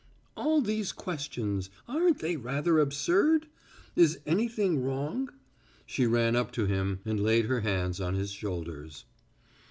"All these questions aren't they rather absurd? Is anything wrong?" She ran up to him and laid her hands on his shoulders.